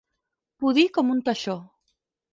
Pudir com un teixó.